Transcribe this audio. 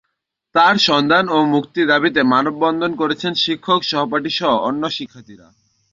তাঁর সন্ধান ও মুক্তি দাবিতে মানববন্ধন করেছেন শিক্ষক, সহপাঠীসহ অন্য শিক্ষার্থীরা।